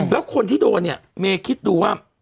แล้วคนที่โดนเนี่ยเมย์คิดดูว่า